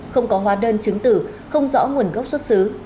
không có hóa đơn chứng tử không rõ nguồn gốc xuất xứ